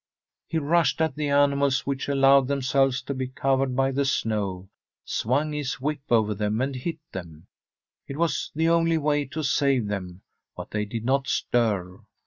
He rushed at the animals, which allowed themselves to be covered by the snow, swung his whip over them, and hit them. It was the only way to save them, but they did not stir.